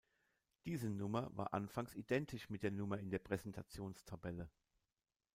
Diese Nummer war anfangs identisch mit der Nummer in der Praestations-Tabelle.